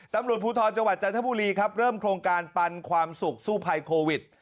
ตำรวจพูทรจันทบุรีเริ่มโครงการปันความสุขสู้ภัยโควิด